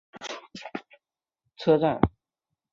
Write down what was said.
末广町停留场本线的铁路车站。